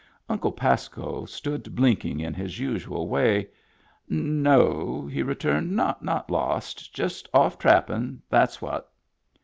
Uncle Pasco stood blinking in his usual way. " No," he returned. " Not lost. Just off trappin'. That's what."